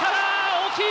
大きい！